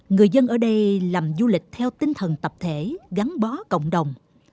người dân ở đây làm du lịch theo tinh thần tập thể gắn bó cộng đồng